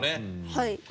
はい。